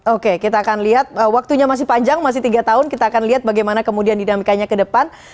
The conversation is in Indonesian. oke kita akan lihat waktunya masih panjang masih tiga tahun kita akan lihat bagaimana kemudian dinamikanya ke depan